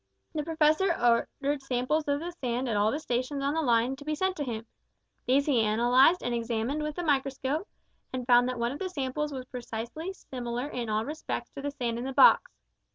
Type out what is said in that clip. The professor ordered samples of the sand at all the stations on the line to be sent to him. These he analysed and examined with the microscope, and found that one of the samples was precisely similar in all respects to the sand in the box.